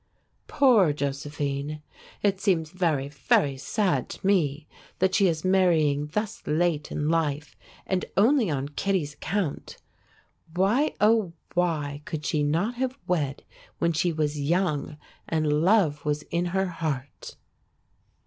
Poor Josephine! It seems very, very sad to me that she is marrying thus late in life and only on Kittie's account. Why, oh, why could she not have wed when she was young and love was in her heart!